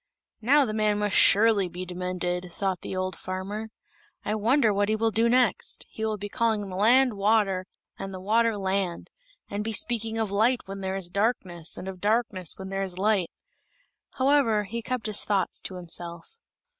"Now, the man must surely be demented!" thought the old farmer. "I wonder what he will do next? He will be calling the land water, and the water land; and be speaking of light where there is darkness, and of darkness when it is light." However, he kept his thoughts to himself.